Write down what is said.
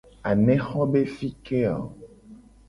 Anexo be fi ke o ?